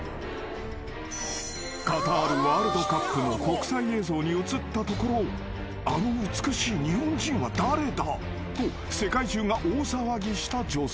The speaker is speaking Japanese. ［カタールワールドカップの国際映像に映ったところ「あの美しい日本人は誰だ？」と世界中が大騒ぎした女性］